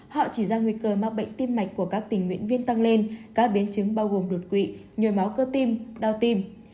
họ chỉ ra nguy cơ mắc bệnh tim mạch của các tình nguyện viên tăng lên các biến chứng bao gồm đột quỵ nhồi máu cơ tim đau tim